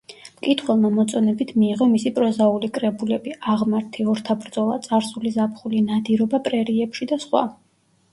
მკითხველმა მოწონებით მიიღო მისი პროზაული კრებულები „აღმართი“, „ორთაბრძოლა“, „წარსული ზაფხული“, „ნადირობა პრერიებში“ და სხვა.